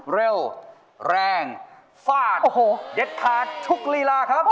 เร็วแรงฝาดเด็ดขาดทุกฤลาครับ